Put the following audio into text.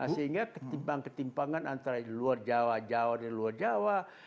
sehingga ketimpangan antara luar jawa jawa dari luar jawa